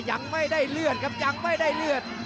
ยังไม่ได้เลือดครับยังไม่ได้เลือด